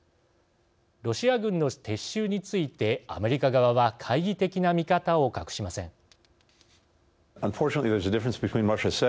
ロシア軍の撤収についてアメリカ側は懐疑的な見方を隠しません。